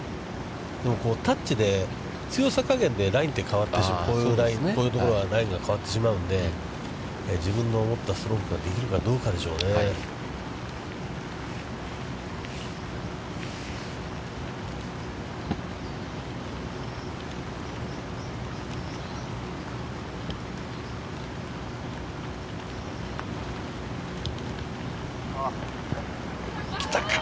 でも、タッチで、強さ加減でこういうところはラインが変わってしまうんで、自分の思ったストロークができるかどうかでしょうね。来たか？